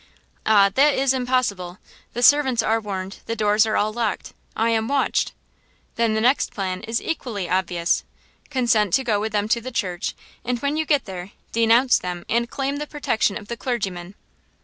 "Ah! that is impossible. The servants are warned; the doors are all locked; I am watched!" "Then the next plan is equally obvious. Consent to go with them to the church, and when you get there, denounce them and claim the protection of the clergyman!"